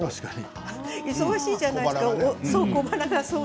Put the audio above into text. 忙しいじゃないですか、小腹が。